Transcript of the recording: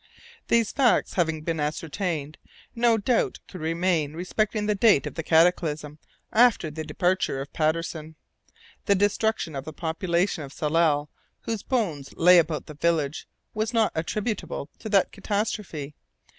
These facts having been ascertained, no doubt could remain respecting the date of the cataclysm after the departure of Patterson. The destruction of the population of Tsalal whose bones lay about the village was not attributable to that catastrophe.